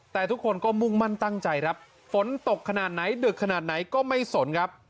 แต่ทุกคนก็มุ่งมั่นตั้งใจครับฝนตกขนาดไหนดึกขนาดไหนก็ไม่สนครับ